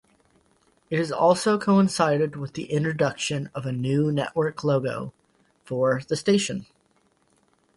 It also coincided with the introduction of a new network logo for the station.